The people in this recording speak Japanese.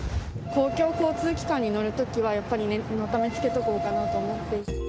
公共交通機関に乗るときは、やっぱり念のため着けておこうかなと思っていて。